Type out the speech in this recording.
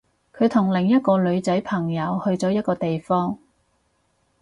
佢同另一個女仔朋友去咗一個地方